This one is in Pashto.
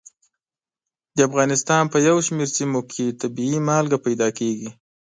د افغانستان په یو شمېر سیمو کې طبیعي مالګه پیدا کېږي.